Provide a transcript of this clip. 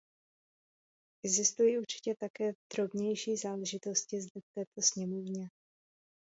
Existují také určité drobnější záležitosti zde v této sněmovně.